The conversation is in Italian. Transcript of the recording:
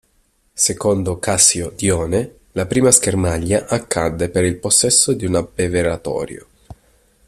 Secondo Cassio Dione, la prima schermaglia accadde per il possesso di un abbeveratoio.